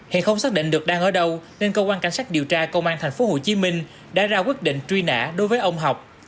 hiện không xác định được đang ở đâu nên cơ quan cảnh sát điều tra công an tp hcm đã ra quyết định truy nã đối với ông học